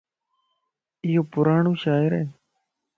ايو پراڙون شاعر ائي